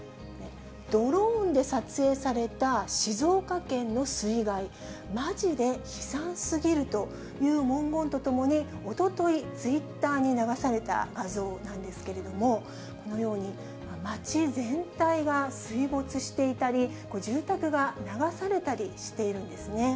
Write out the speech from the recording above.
ドローンで撮影された静岡県の水害、まじで悲惨すぎるという文言とともに、おととい、ツイッターに流された画像なんですけれども、このように、町全体が水没していたり、住宅が流されたりしているんですね。